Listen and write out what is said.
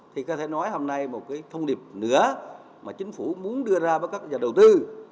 thì có thể nói hôm nay một thông điệp nữa mà chính phủ muốn đưa ra với các nhà đầu tư